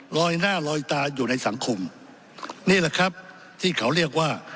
ลอยหน้าลอยตาอยู่ในสังคมนี่แหละครับที่เขาเรียกว่า